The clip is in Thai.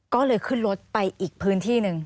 ก็เลยขึ้นรถไปอีกพื้นที่หนึ่ง